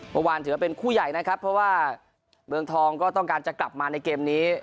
เมื่อวานถือว่าเป็นคู่ใหญ่นะครับเพราะว่าเมืองทองก็ต้องการจะกลับมาในเกมนี้